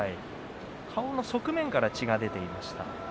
顔の側面から血が出ていました。